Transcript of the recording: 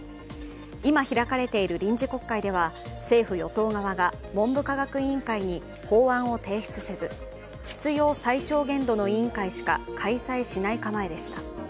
今開かれている臨時国会では政府・与党側が文部科学委員会に法案を提出せず、必要最小限度の委員会しか開催しない構えでした。